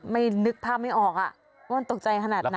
นึกภาพไม่ออกว่ามันตกใจขนาดไหน